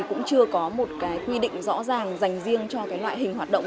cũng chưa có một quy định rõ ràng dành riêng cho cái loại hình hoạt động